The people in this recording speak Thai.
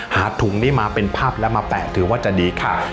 ถุงนี้มาเป็นภาพแล้วมาแปะถือว่าจะดีค่ะ